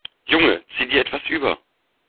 Junge, zieh dir etwas über.